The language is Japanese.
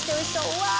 うわ！